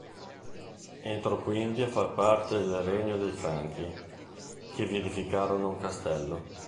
Entrò quindi a far parte del regno dei Franchi, che vi edificarono un castello.